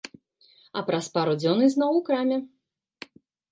А праз пару дзён ізноў у краме.